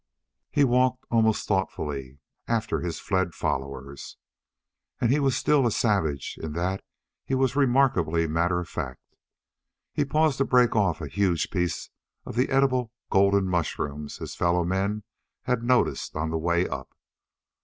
He walked almost thoughtfully after his fled followers. And he was still a savage in that he was remarkably matter of fact. He paused to break off a huge piece of the edible golden mushrooms his fellow men had noticed on the way up.